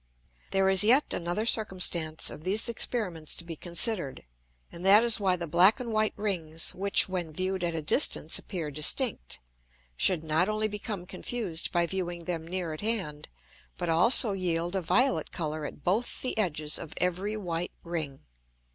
There is yet another circumstance of these Experiments to be consider'd, and that is why the black and white Rings which when view'd at a distance appear distinct, should not only become confused by viewing them near at hand, but also yield a violet Colour at both the edges of every white Ring.